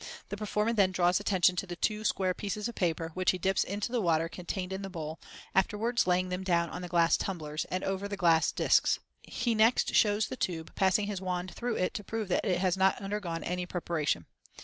The performer then draws attention to two square pieces of paper, which he dips into the water contained in the bowl, afterwards laying them down on the glass tumblers, and over the glass discs. He next shows the tube, passing his wand through it to prove that it has not undergone any preparation.